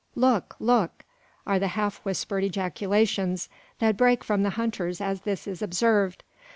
"Look, look!" are the half whispered ejaculations that break from the hunters as this is observed.